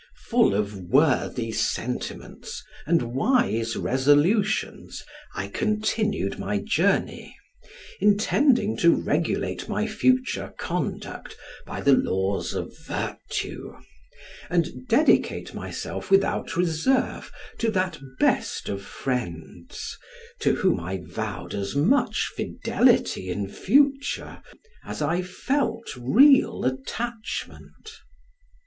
Full of worthy sentiments and wise resolutions, I continued my journey, intending to regulate my future conduct by the laws of virtue, and dedicate myself without reserve to that best of friends, to whom I vowed as much fidelity in future as I felt real attachment.